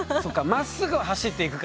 まっすぐは走っていくから。